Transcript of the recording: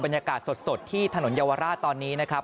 บรรยากาศสดที่ถนนเยาวราชตอนนี้นะครับ